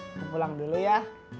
sampai jumpa dulu ya